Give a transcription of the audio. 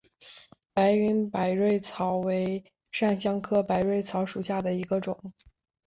白云百蕊草为檀香科百蕊草属下的一个种。